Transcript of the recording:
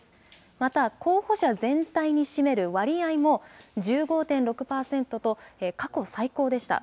また、候補者全体に占める割合も１５．６％と、過去最高でした。